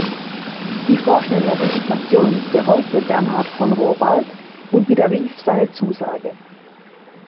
Die vorschnelle Resignation bereute Bernhard von Rohr bald und widerrief seine Zusage.